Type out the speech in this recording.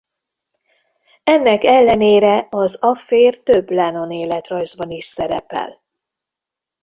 Ennek ellenére az affér több Lennon-életrajzban is szerepel.